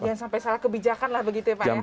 jangan sampai salah kebijakan lah begitu ya pak ya